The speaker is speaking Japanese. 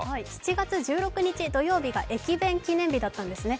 ７月１６日土曜日が駅弁記念日だったんですね。